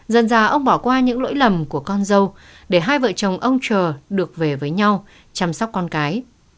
dần già ông bỏ qua những lỗi lầm của con dâu để hai vợ chồng ông trờ được về với nhau chăm sóc con cái